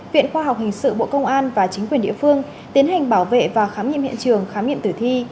viện khoa học hình sự bộ công an và chính quyền địa phương tiến hành bảo vệ và khám nghiệm hiện trường khám nghiệm tử thi